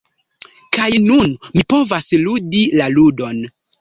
Kaj nun, mi povas ludi la ludon!